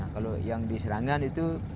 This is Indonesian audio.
kalau yang diserangan itu